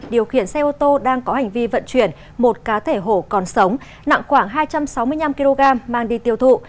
điều khiển xe ô tô đang có hành vi vận chuyển một cá thể hổ còn sống nặng khoảng hai trăm sáu mươi năm kg mang đi tiêu thụ